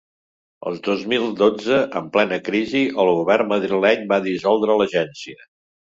El dos mil dotze, en plena crisi, el govern madrileny va dissoldre l’agència.